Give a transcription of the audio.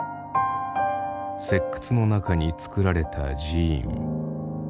石窟の中につくられた寺院。